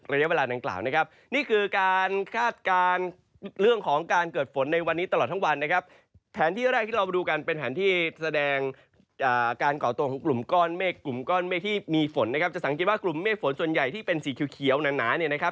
จะสังเกตุว่ากลุ่มเมฆฝนส่วนใหญ่ที่เป็นสีเขียวหนา